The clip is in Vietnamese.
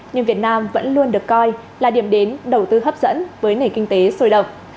nhưng việt nam vẫn luôn được coi là điểm đến đầu tư kinh doanh